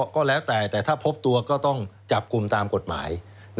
ก็แล้วแต่แต่ถ้าพบตัวก็ต้องจับกลุ่มตามกฎหมาย